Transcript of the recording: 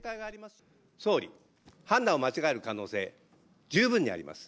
総理、判断を間違える可能性、十分にあります。